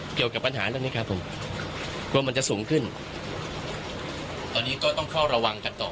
เกี่ยวกับปัญหาเรื่องนี้ครับผมกลัวมันจะสูงขึ้นตอนนี้ก็ต้องเฝ้าระวังกันต่อ